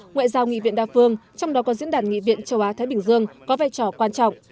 ngoại giao nghị viện đa phương trong đó có diễn đàn nghị viện châu á thái bình dương có vai trò quan trọng